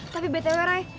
tapi btw re